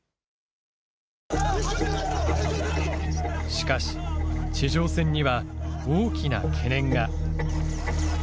しかし地上戦には大きな懸念が。